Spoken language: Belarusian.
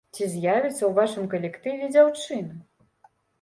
Ці з'явіцца ў вашым калектыве дзяўчына?